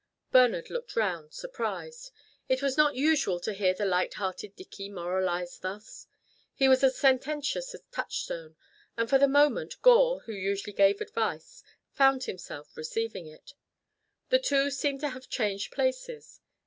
Bernard looked round, surprised. It was not usual to hear the light hearted Dicky moralize thus. He was as sententious as Touchstone, and for the moment Gore, who usually gave advice, found himself receiving it. The two seemed to have changed places.